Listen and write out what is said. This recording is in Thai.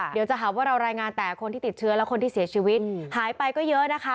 เดี๋ยวจะหาว่าเรารายงานแต่คนที่ติดเชื้อและคนที่เสียชีวิตหายไปก็เยอะนะคะ